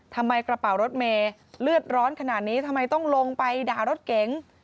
กระเป๋ารถเมย์เลือดร้อนขนาดนี้ทำไมต้องลงไปด่ารถเก๋ง